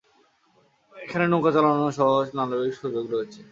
এখানে নৌকা চালানো সহ নানাবিধ সুযোগ রয়েছে।